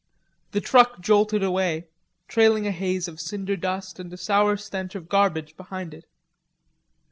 The truck jolted away, trailing a haze of cinder dust and a sour stench of garbage behind it.